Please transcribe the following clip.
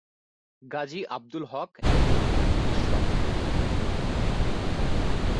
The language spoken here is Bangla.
গাজী আব্দুল হক একজন চিকিৎসক।